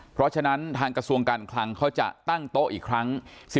เพราะฉะนั้นทางกระทรวงการคลังเขาจะตั้งโต๊ะอีกครั้ง